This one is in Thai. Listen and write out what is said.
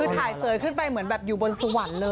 คือถ่ายเสยขึ้นไปเหมือนอยู่บนสุภัณฑ์เลย